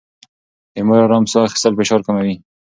د مور ارام ساه اخيستل فشار کموي.